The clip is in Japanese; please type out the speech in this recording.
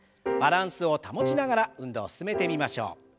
バランスを保ちながら運動を進めてみましょう。